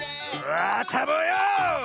あたぼうよ！